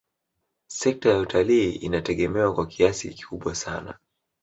Sekta ya utalii inategemewa kwa kiasi kikubwa sana